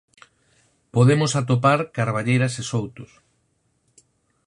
Podemos atopar carballeiras e soutos.